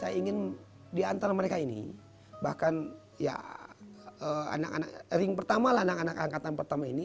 saya ingin diantara mereka ini bahkan ya anak anak ring pertama lah anak anak angkatan pertama ini